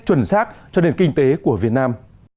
chuẩn xác cho nền kinh tế của việt nam